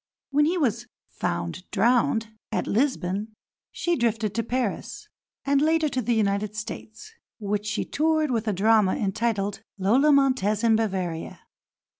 When he was "found drowned" at Lisbon she drifted to Paris, and later to the United States, which she toured with a drama entitled "Lola Montez in Bavaria."